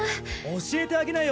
教えてあげなよ